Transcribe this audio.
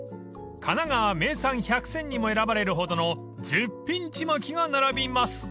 ［かながわ名産１００選にも選ばれるほどの絶品ちまきが並びます］